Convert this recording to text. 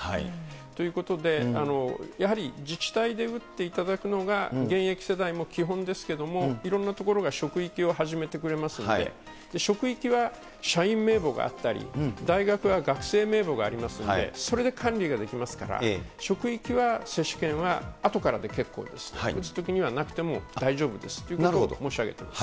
ということで、やはり自治体で打っていただくのが現役世代も基本ですけれども、いろんな所が職域を始めてくれますんで、職域は社員名簿があったり、大学は学生名簿がありますんで、それで管理ができますから、職域は接種券はあとからで結構ですと、打つときにはなくても大丈夫ですということを申し上げています。